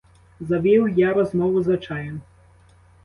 Завів я розмову за чаєм.